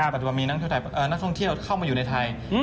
ปัจจุบันมีนักท่องเที่ยวเข้ามาอยู่ในไทย